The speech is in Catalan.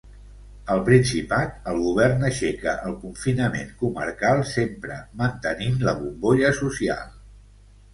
Al Principat, el govern aixeca el confinament comarcal sempre mantenint la bombolla social.